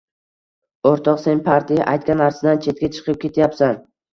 «O‘rtoq, sen partiya aytgan narsadan chetga chiqib ketyapsan